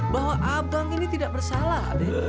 bahwa abang ini tidak bersalah